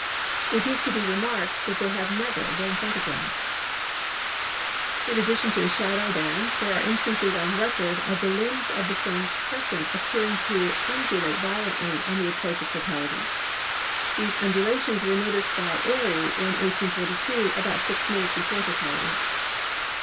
It is to be remarked that they have never been photographed. [Illustration: FIG. 6.—SHADOW BANDS.] In addition to the shadow bands there are instances on record of the limbs of the Sun's crescent appearing to undulate violently on the approach of totality. These undulations were noticed by Airy in 1842 about 6 minutes before totality.